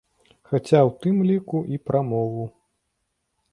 Хаця ў тым ліку і пра мову.